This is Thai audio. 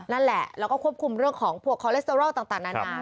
นั่นแหละแล้วก็ควบคุมเรื่องของพวกคอเลสเตอรอลต่างนานา